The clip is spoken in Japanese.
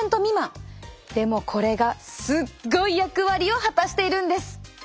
でもこれがすっごい役割を果たしているんです。